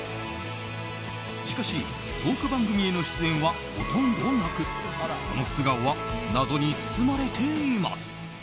しかし、トーク番組への出演はほとんどなくその素顔は謎に包まれています。